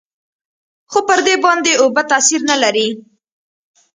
خو پر دې باندې اوبه تاثير نه لري.